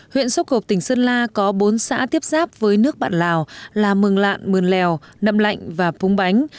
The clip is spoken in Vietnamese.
huyện sốc cộp tỉnh sơn la có bốn xã tiếp giáp với nước bạn lào là mường lạn mường lèo nậm lạnh và phung bánh